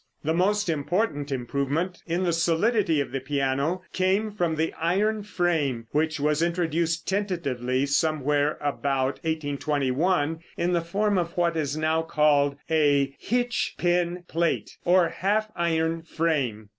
The most important improvement in the solidity of the piano came from the iron frame, which was introduced tentatively, somewhere about 1821, in the form of what is now called a "hitch pin plate," or half iron frame.